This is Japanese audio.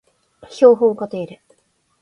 標本化定理